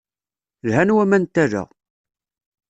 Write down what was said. Lhan waman n tala.